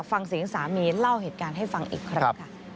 ฟังเสียงสามีเล่าเหตุการณ์ให้ฟังอีกครั้งค่ะ